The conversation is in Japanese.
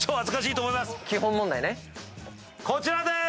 こちらです！